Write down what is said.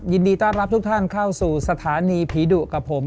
ยินดีต้อนรับทุกท่านเข้าสู่สถานีผีดุกับผม